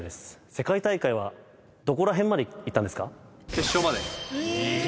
世界大会はどこら辺まで行ったんですか？